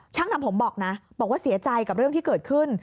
ช่างทำผมบอกนะบอกว่าเสียใจกับเรื่องที่เกิดขึ้น